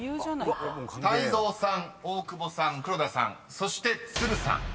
［泰造さん大久保さん黒田さんそして都留さん］